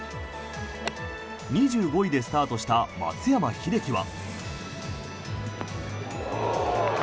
２５位でスタートした松山英樹は。